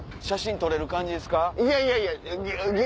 写真撮れる感じですか？